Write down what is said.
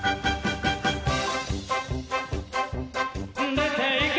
・「出ていけ」